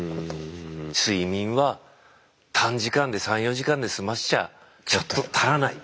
睡眠は短時間で３４時間で済ませちゃちょっと足らない？